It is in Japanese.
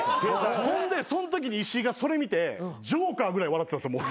ほんでそんときに石井がそれ見てジョーカーぐらい笑ってたんですよ。